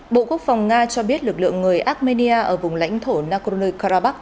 bộ quốc phòng nga cho biết lực lượng người armenia ở vùng lãnh thổ nagorno karabakh